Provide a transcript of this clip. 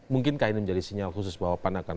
mungkinkah ini menjadi sinyal khusus bahwa pan akan